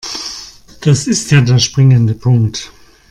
Das ist ja der springende Punkt.